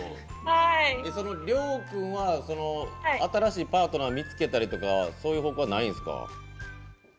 りょう君は新しいパートナーを見つけたりとかそういう方向はないんですか。